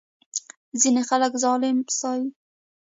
ځینې خلک ظالم ستایي.